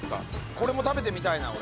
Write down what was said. これも食べてみたいな俺。